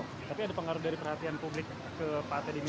tapi ada pengaruh dari perhatian publik ke pak t d minar